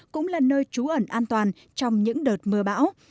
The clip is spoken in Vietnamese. cũng là nơi trú ẩn an toàn trong những đợt mưa bão